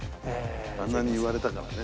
あんなに言われたからね。